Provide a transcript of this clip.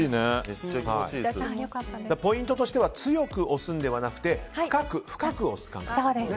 ポイントとしては強く押すのではなくて深く押すという。